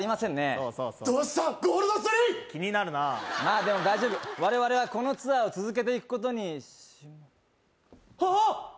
そうそうそうどうしたゴールドスリー気になるなでも大丈夫われわれはこのツアーを続けていくことにしまはっ！